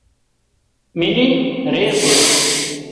ملينَ ري سي